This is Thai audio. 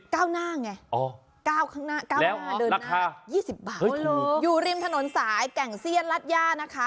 เก้าหน้าไงเก้าหน้าเดินหน้า๒๐บาทอยู่ริมถนนสายแก่งเซียนรัดย่านะคะ